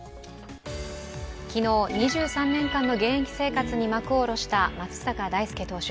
昨日、２３年間の現役生活に幕を下した松坂大輔投手。